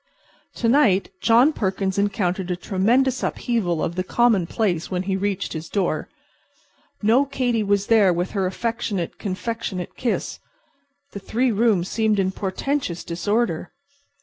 To night John Perkins encountered a tremendous upheaval of the commonplace when he reached his door. No Katy was there with her affectionate, confectionate kiss. The three rooms seemed in portentous disorder.